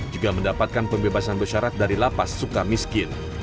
juga mendapatkan pembebasan bersyarat dari lapas suka miskin